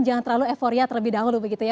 jangan terlalu euforia terlebih dahulu begitu ya